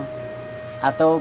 buat beli tanah